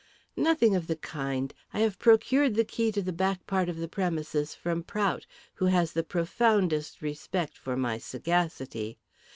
"Nothing of the kind. I have procured the key to the back part of the premises from Prout, who has the profoundest respect for my sagacity.